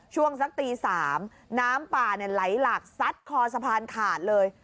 ช่วงสักตี๓น้ำป่าไหลหลากซัดคอสะพานขาดเลย